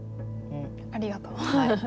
ありがとう。